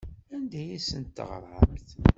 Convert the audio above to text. Anda ay asent-teɣramt?